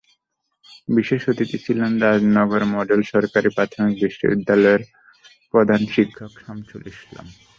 বিশেষ অতিথি ছিলেন রাজনগর মডেল সরকারি প্রাথমিক বিদ্যালয়ের প্রধান শিক্ষক শামছুল ইসলাম।